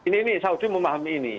ini saudi memahami ini